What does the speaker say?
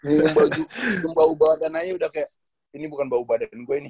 ini baju bau badan aja udah kayak ini bukan bau badan gue nih